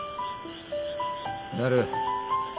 なる。